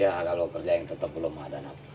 ya kalau kerjaan tetap belum ada